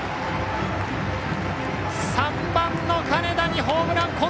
３番の金田にホームラン！